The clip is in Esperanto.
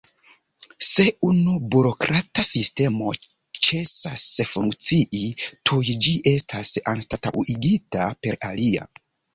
Se unu burokrata sistemo ĉesas funkcii, tuj ĝi estas anstataŭigita per alia.